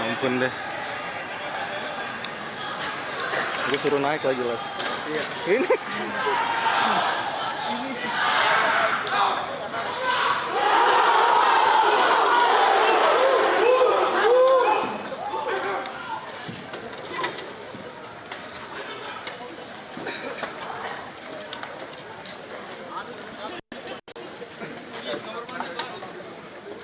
masa sudah mengubahkan diri pasca solat rawih sekitar pukul empat belas waktu indonesia barat